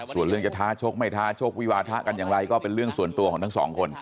ส่วนเรื่องจะท้าชกไม่ท้าชกวิวาทะกันอย่างไรก็เป็นเรื่องส่วนตัวของทั้งสองคน